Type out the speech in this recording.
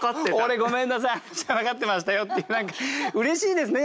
俺ごめんなさい分かってましたよっていう何かうれしいですね